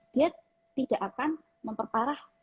dia tidak akan memperparahkan